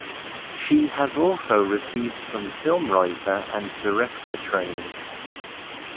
She has also received some film writer and director training.